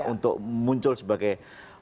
untuk muncul sebagai